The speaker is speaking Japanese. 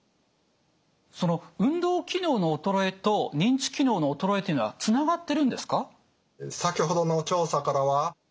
その運動機能の衰えと認知機能の衰えというのはつながってるんですか？